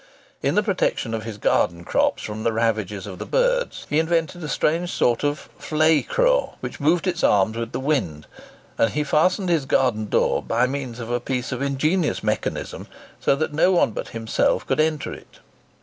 In the protection of his garden crops from the ravages of the birds, he invented a strange sort of "fley craw," which moved its arms with the wind; and he fastened his garden door by means of a piece of ingenious mechanism, so that no one but himself could enter it.